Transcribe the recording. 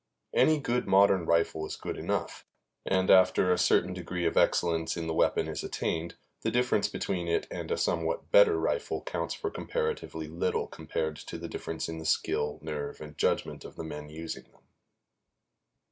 Any good modern rifle is good enough, and, after a certain degree of excellence in the weapon is attained, the difference between it and a somewhat better rifle counts for comparatively little compared to the difference in the skill, nerve and judgment of the men using them.